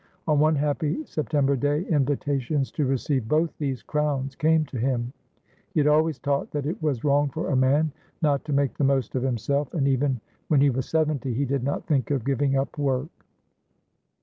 On one happy September day invitations to receive both these crowns came to him. He had always taught that it was wrong for a man not to make the most of himself, and even when he was seventy, he did not think of giving up work.